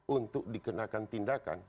untuk dikenakan tindakan